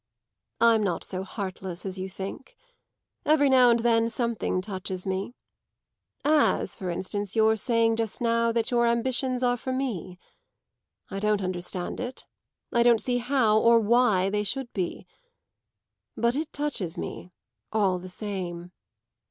"I'm not so heartless as you think. Every now and then something touches me as for instance your saying just now that your ambitions are for me. I don't understand it; I don't see how or why they should be. But it touches me, all the same."